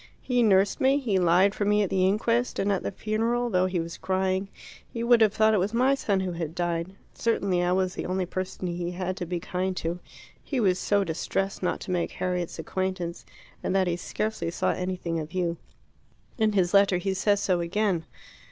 He nursed me, he lied for me at the inquest, and at the funeral, though he was crying, you would have thought it was my son who had died. Certainly I was the only person he had to be kind to; he was so distressed not to make Harriet's acquaintance, and that he scarcely saw anything of you. In his letter he says so again."